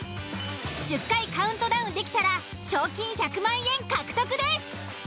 １０回カウントダウンできたら賞金１００万円獲得です。